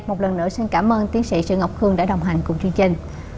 một lần nữa xin cảm ơn tiến sĩ sư ngọc khương đã đồng hành cùng chương trình